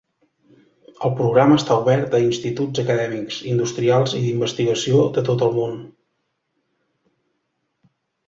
El programa està obert a instituts acadèmics, industrials i d"investigació de tot el món.